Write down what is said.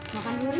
makan dulu riri